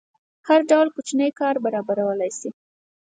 هر ډول کوچنی کار برابرولی شي.